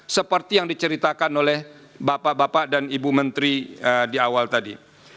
seperti yang diceritakan oleh bapak bapak dan ibu menteri di awal tadi